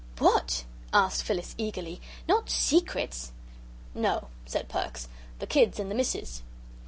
What?" asked Phyllis, eagerly. "Not secrets?" "No," said Perks, "the kids and the Missus."